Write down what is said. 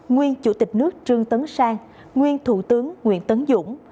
nguyên chủ tịch nước trương tấn sang nguyên thủ tướng nguyễn tấn dũng